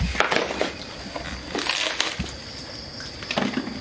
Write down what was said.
พร้อมทุกสิทธิ์